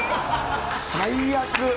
最悪！